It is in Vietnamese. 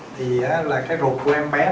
thì cái ruột của em bé